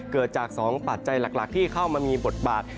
เกิดจาก๒ปัจจัยหลักที่เข้ามามีบทบาท